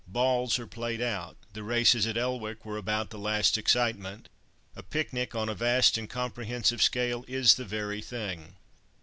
Balls are played out. The races at Elwick were about the last excitement. A picnic on a vast and comprehensive scale is the very thing.